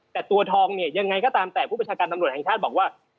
แต่ตัวทองเนี่ยยังไงก็ตามแต่ผู้ประชาการตำรวจแห่งชาติบอกว่า